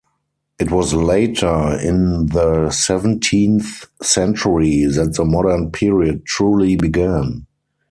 It was later, in the seventeenth century, that the modern period truly began.